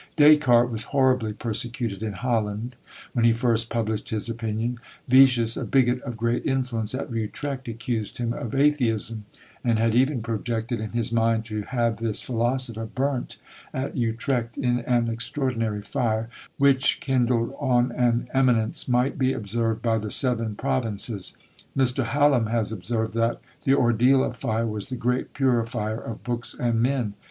Descartes was horribly persecuted in Holland, when he first published his opinions. Voetius, a bigot of great influence at Utrecht, accused him of atheism, and had even projected in his mind to have this philosopher burnt at Utrecht in an extraordinary fire, which, kindled on an eminence, might be observed by the seven provinces. Mr. Hallam has observed, that "the ordeal of fire was the great purifier of books and men."